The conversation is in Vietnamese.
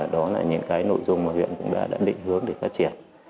đó là những cái nội dung mà huyện cũng đã định hướng để phát triển